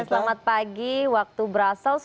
selamat pagi waktu brussels